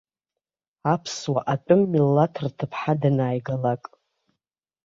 Аԥсуа атәым милаҭ рҭыԥҳа данааигалак.